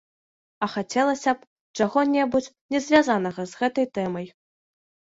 А хацелася б чаго-небудзь не звязанага з гэтай тэмай.